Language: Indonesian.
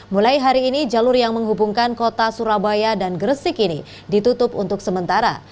mulai hari ini jalur yang menghubungkan kota surabaya dan gresik ini ditutup untuk sementara